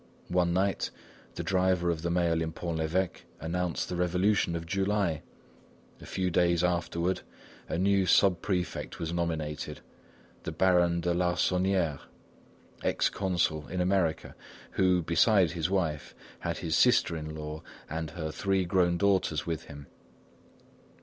One night, the driver of the mail in Pont l'Evêque announced the Revolution of July. A few days afterward a new sub prefect was nominated, the Baron de Larsonnière, ex consul in America, who, besides his wife, had his sister in law and her three grown daughters with him.